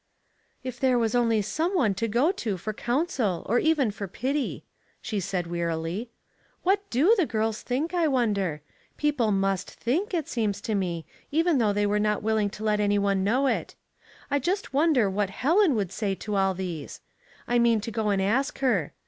" If there was only some one to go to for counsel or even for pity," she said, wearily. What do the girls think, I wonder ? People must thinks it seems to me, even though they were not willing to let any one know it. I just won der what Helen would say to all these ? I mean to go and ask her.